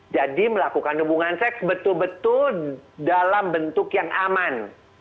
jadi melakukan hubungan seks betul betul dalam bentuk yang aman